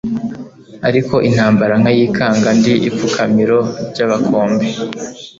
Ariko intambara nkayikanga ndi ipfukamiro ry,amakombe